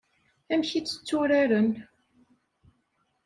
Amek i tt-tturaren?